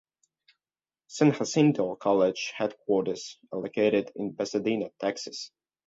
San Jacinto College headquarters are located in Pasadena, Texas.